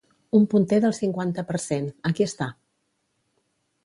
Un punter del cinquanta per cent, aquí està!